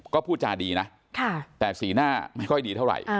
ก็พูดจาดีนะแต่สีหน้าไม่ค่อยดีเท่าไหร่